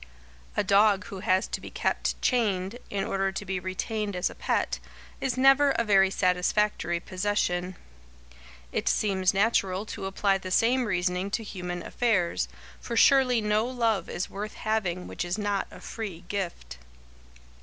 A dog who has to be kept chained, in order to be retained as a pet, is never a very satisfactory possession. It seems natural to apply the same reasoning to human affairs, for surely no love is worth having which is not a free gift.